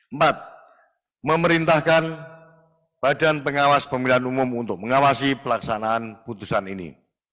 empat memerintahkan badan pengawas pemilihan umum untuk mengawasi pelaksanaan putusan ini